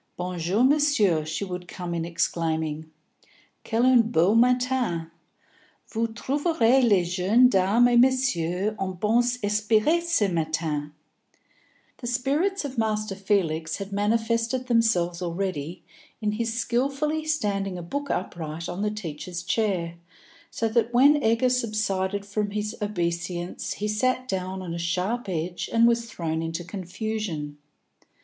"Bon jour, Monsieur," she would come in exclaiming. "Quel un beau matin! Vous trouverez les jeunes dames et messieurs en bons esprits ce matin." The spirits of Master Felix had manifested themselves already in his skilfully standing a book upright on the teacher's chair, so that when Egger subsided from his obeisance he sat down on a sharp edge and was thrown into confusion.